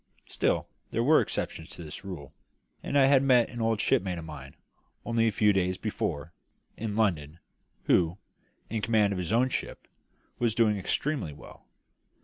Still, there were exceptions to this rule; and I had met an old shipmate of mine, only a few days before, in London, who, in command of his own ship, was doing exceedingly well.